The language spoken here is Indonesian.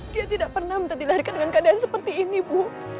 dia tidak pernah minta dilahirkan dengan keadaan seperti ini bu